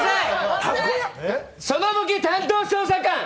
そのボケ担当捜査官。